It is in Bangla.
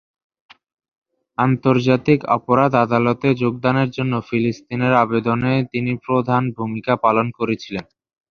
আন্তর্জাতিক অপরাধ আদালতে যোগদানের জন্য ফিলিস্তিনের আবেদনে তিনি প্রধান ভূমিকা পালন করেছিলেন।